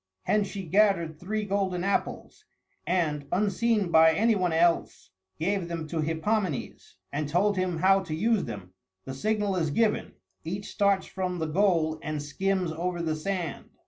Hence she gathered three golden apples, and, unseen by any one else, gave them to Hippomenes, and told him how to use them. The signal is given; each starts from the goal and skims over the sand.